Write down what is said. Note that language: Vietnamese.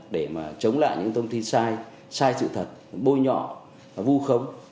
để mà chống lại những thông tin sai sai sự thật bôi nhọ vô khống